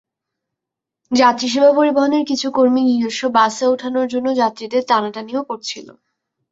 যাত্রীসেবা পরিবহনের কিছু কর্মী নিজস্ব বাসে ওঠানোর জন্য যাত্রীদের টানাটানিও করছিল।